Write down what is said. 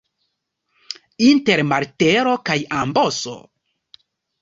Inter martelo kaj amboso.